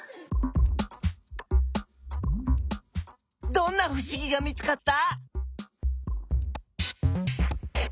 どんなふしぎが見つかった？